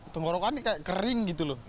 tenggorokannya kayak kering gitu loh